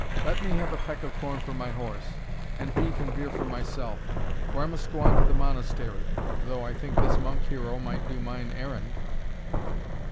Let me have a peck of corn for my horse, and beef and beer for myself, for I must go on to the Monastery though I think this monk hero might do mine errand."